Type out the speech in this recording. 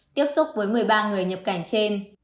tiếp xúc với một mươi ba người nhập cảnh trên